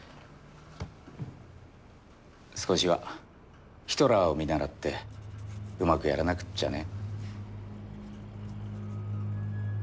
少しはヒトラーを見習ってうまくやらなくっちゃね。